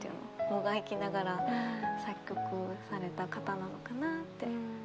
もがきながら作曲をされた方なのかなって。